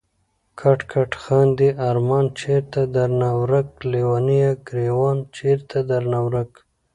کټ کټ خاندی ارمان چېرته درنه ورک ليونيه، ګريوان چيرته درنه ورک